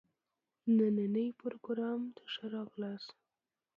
نني پروګرام ته ښه راغلاست.